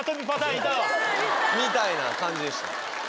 みたいな感じでした。